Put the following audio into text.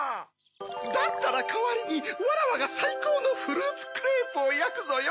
だったらかわりにわらわがさいこうのフルーツクレープをやくぞよ。